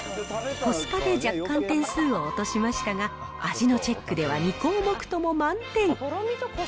コスパで若干点数を落としましたが、味のチェックでは２項目とも満点。